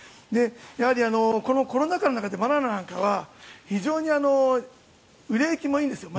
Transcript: やはり、このコロナ禍の中でバナナなんかは非常に売れ行きもいいんですよ。